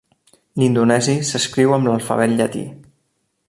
L'indonesi s'escriu amb l'alfabet llatí.